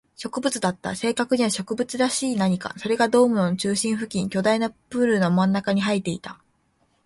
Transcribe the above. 植物だった。正確には植物らしき何か。それがドームの中心付近、巨大なプールの真ん中に生えていた。